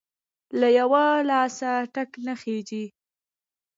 له يوه لاسه ټک نه خیژي!.